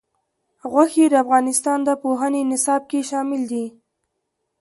غوښې د افغانستان د پوهنې نصاب کې شامل دي.